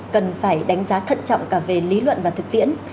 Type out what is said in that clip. cần phải đánh giá thận trọng cả về lý luận và thực tiễn